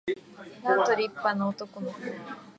なんと立派な男の子